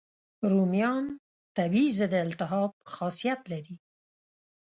رومیان طبیعي ضد التهاب خاصیت لري.